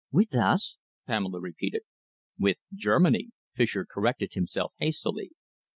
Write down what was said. "With us?" Pamela repeated. "With Germany," Fischer corrected himself hastily.